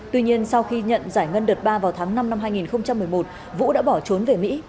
tuy nhiên sau khi nhận giải ngân đợt ba vào tháng năm năm hai nghìn một mươi một vũ đã bỏ trốn về mỹ